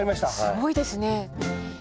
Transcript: すごいですね。